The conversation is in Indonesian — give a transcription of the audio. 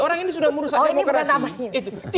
orang ini sudah merusak demokrasi